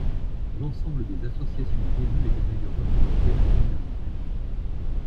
L’ensemble des associations d’élus étaient d’ailleurs représentées la semaine dernière.